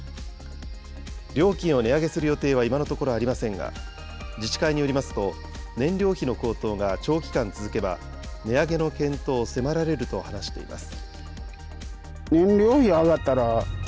料金を値上げする予定は今のところありませんが、自治会によりますと、燃料費の高騰が長期間続けば、値上げの検討を迫られると話しています。